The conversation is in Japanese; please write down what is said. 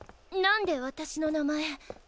何で私の名前。